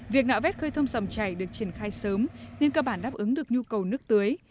việc nạo vét khơi thông dòng chảy được triển khai sớm nên cơ bản đáp ứng được nhu cầu nước tưới